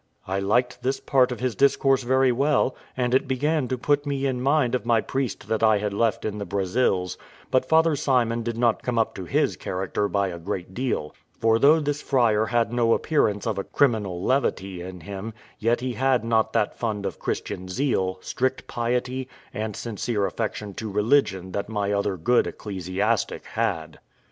I liked this part of his discourse very well, and it began to put me in mind of my priest that I had left in the Brazils; but Father Simon did not come up to his character by a great deal; for though this friar had no appearance of a criminal levity in him, yet he had not that fund of Christian zeal, strict piety, and sincere affection to religion that my other good ecclesiastic had.